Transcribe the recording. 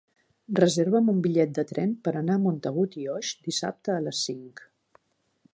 Reserva'm un bitllet de tren per anar a Montagut i Oix dissabte a les cinc.